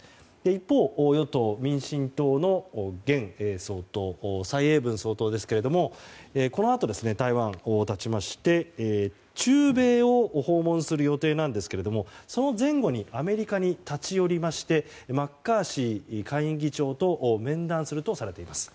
一方、与党・民進党の現総統の蔡英文総統ですがこのあと台湾を発ちまして中米を訪問予定ですがその前後にアメリカに立ち寄りましてマッカーシー下院議長と面談するとされています。